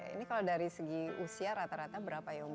ini kalau dari segi usia rata rata berapa you